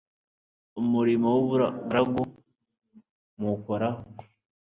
umurimo w ubugaragu muwukoraho